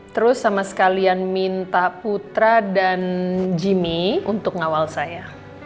terus sama sekalian minta putra dan jimmy untuk ngawal saya